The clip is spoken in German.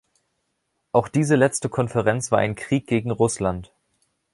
Auch diese letzte Konferenz war ein Krieg gegen Russland.